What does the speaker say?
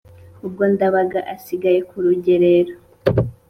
Ubwo Ndabaga asigara ku rugerero,